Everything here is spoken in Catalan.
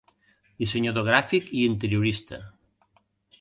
Dissenyador gràfic i interiorista.